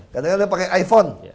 kadang anda pakai iphone